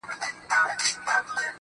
ته راته ووایه چي څنگه به جنجال نه راځي,